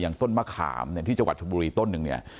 อย่างต้นมะขามที่จังหวัดชนบุรีต้นหนึ่งเนี่ย